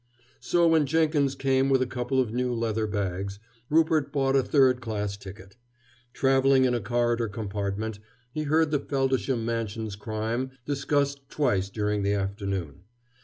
So, when Jenkins came with a couple of new leather bags, Rupert bought a third class ticket. Traveling in a corridor compartment, he heard the Feldisham Mansions crime discussed twice during the afternoon.